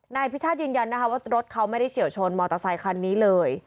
นายพิชาติยืนยันนะคะว่ารถเขาไม่ได้เฉียวชนมอเตอร์ไซคันนี้เลย